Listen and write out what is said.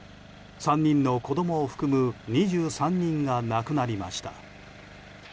３人の子供を含む２３人が亡くなりました。